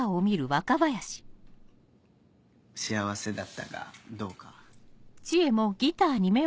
幸せだったかどうか。